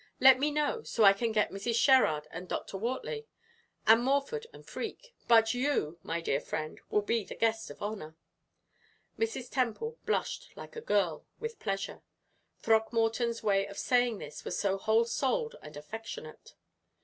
Let me know, so I can get Mrs. Sherrard and Dr. Wortley and Morford and Freke; but you, my dear friend, will be the guest of honor." Mrs. Temple blushed like a girl, with pleasure Throckmorton's way of saying this was so whole souled and affectionate.